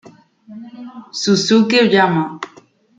Shunsuke Oyama